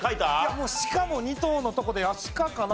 もう「しかも二頭」のとこであっしかかな。